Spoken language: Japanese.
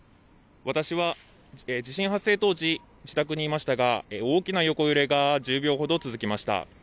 私は地震発生当時、自宅にいましたが大きな横揺れが１０秒ほど続きました。